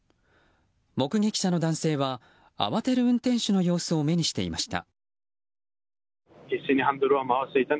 目撃者の男性は慌てる運転手の様子を目にしていました。